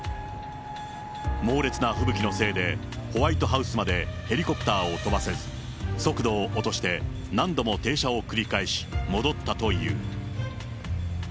猛烈な吹雪のせいで、ホワイトハウスまでヘリコプターを飛ばせず、速度を落として何度も停車を繰り返し戻ったという。